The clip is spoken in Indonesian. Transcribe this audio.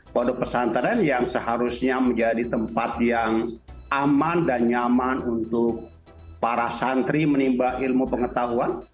pondok pesantren yang seharusnya menjadi tempat yang aman dan nyaman untuk para santri menimba ilmu pengetahuan